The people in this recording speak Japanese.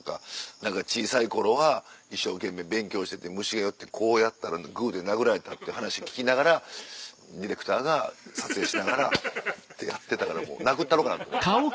何か小さい頃は一生懸命勉強してて虫が寄ってこうやったらグで殴られたって話聞きながらディレクターが撮影しながらってやってたから殴ったろうかなと思った。